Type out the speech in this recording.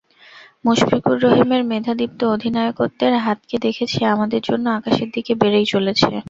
মুশফিকুর রহিমের মেধাদীপ্ত অধিনায়কত্বের হাতকে দেখেছি আমাদের জন্য আকাশের দিকে বেড়েই চলেছে।